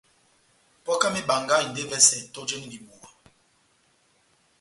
Pokɛ ya mebanga endi evɛsɛ tɔjeni dibuwa.